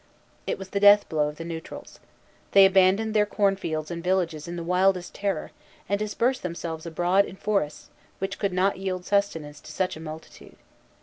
It was the death blow of the Neutrals. They abandoned their corn fields and villages in the wildest terror, and dispersed themselves abroad in forests, which could not yield sustenance to such a multitude.